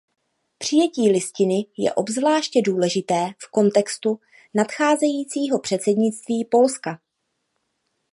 Přijetí Listiny je obzvláště důležité v kontextu nadcházejícího předsednictví Polska.